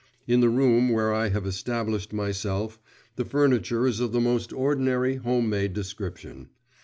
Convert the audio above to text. In the room where I have established myself, the furniture is of the most ordinary, home made description.